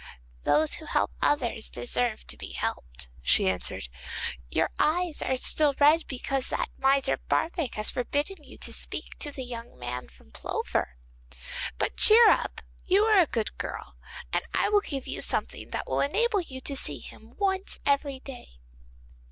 'Those who help others deserve to be helped,' she answered; 'your eyes are still red because that miser Barbaik has forbidden you to speak to the young man from Plover. But cheer up, you are a good girl, and I will give you something that will enable you to see him once every day.